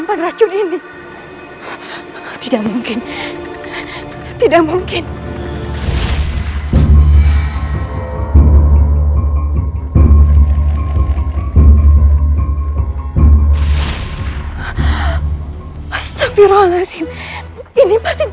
beritahukan kepada rai